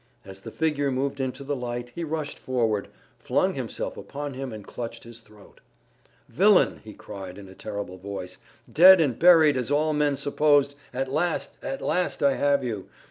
As the figure moved into the light he rushed forward, flung himself upon him and clutched his throat. "Villain!" he cried in a terrible voice, "dead and buried as all men supposed, at last, at last I have you!